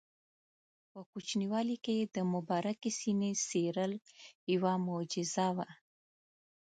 په کوچنیوالي کې یې د مبارکې سینې څیرل یوه معجزه وه.